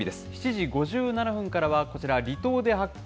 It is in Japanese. ７時５７分からは、こちら、離島で発見！